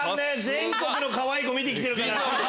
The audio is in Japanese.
全国のかわいい子見て来てるから。